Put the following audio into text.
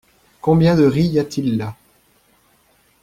Combien de riz y a-t-il là ?